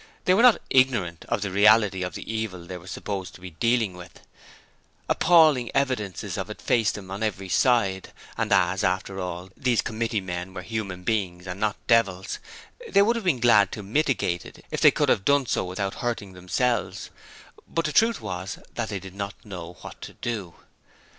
They were not ignorant of the reality of the evil they were supposed to be 'dealing with' appalling evidences of it faced them on every side, and as, after all, these committee men were human beings and not devils, they would have been glad to mitigate it if they could have done so without hurting themselves: but the truth was that they did not know what to do!